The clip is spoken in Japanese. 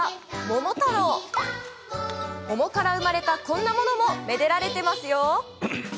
桃から生まれたこんなものもめでられていますよ！